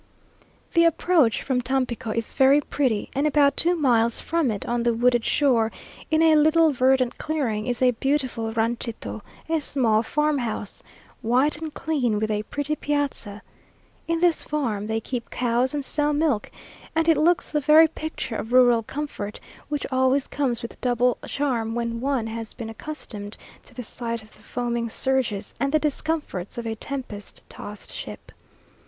The approach from Tampico is very pretty, and about two miles from it on the wooded shore, in a little verdant clearing, is a beautiful ranchito a small farmhouse, white and clean, with a pretty piazza. In this farm they keep cows and sell milk, and it looks the very picture of rural comfort, which always comes with double charm when one has been accustomed to the sight of the foaming surges and the discomforts of a tempest tossed ship.